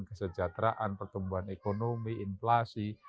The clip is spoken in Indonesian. kesejahteraan pertumbuhan ekonomi inflasi